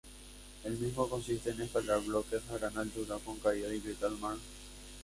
El mismo consiste en escalar bloques a gran altura con caída directa al mar.